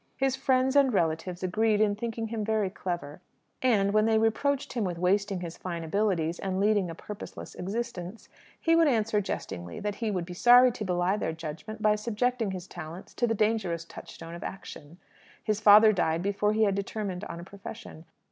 His friends and relatives agreed in thinking him very clever; and, when they reproached him with wasting his fine abilities and leading a purposeless existence, he would answer jestingly that he should be sorry to belie their judgment by subjecting his talents to the dangerous touchstone of action. His father died before he had determined on a profession.